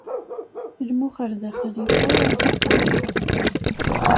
Lmux ar daxel yefreɣ.